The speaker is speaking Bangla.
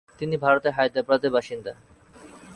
তিনি ভারতের হায়দ্রাবাদের বাসিন্দা।